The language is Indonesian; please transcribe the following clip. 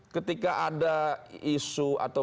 ketika ada isu atau